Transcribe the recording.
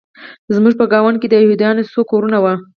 زموږ په ګاونډ کې د یهودانو څو کورونه وو